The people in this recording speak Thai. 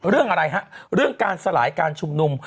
เรื่องอะไรฮะเรื่องการสลายการชุมนุม